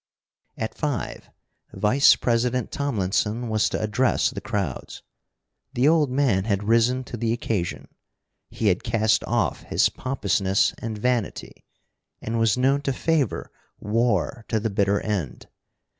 At five, Vice president Tomlinson was to address the crowds. The old man had risen to the occasion. He had cast off his pompousness and vanity, and was known to favor war to the bitter end.